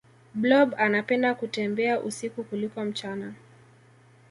blob anapenda kutembea usiku kuliko mchana